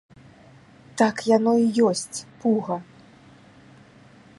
Так яно і ёсць, пуга.